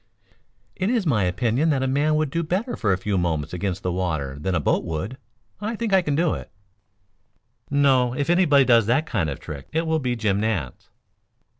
"It is my opinion that a man would do better for a few moments against the water than a boat would. I think I can do it." "No, if anybody does that kind of a trick it will be Jim Nance."